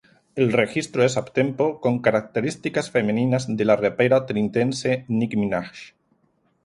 El registro es up-tempo, con características femeninas de la rapera trinitense Nicki Minaj.